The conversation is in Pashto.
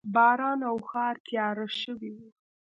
باران و او ښار تیاره شوی و